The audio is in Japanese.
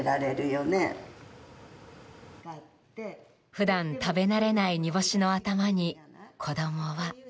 普段食べ慣れない煮干しの頭に子供は。